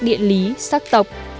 điện lý sắc tộc